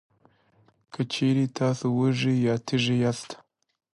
که چېرې تاسې وږي یا تږي یاستی،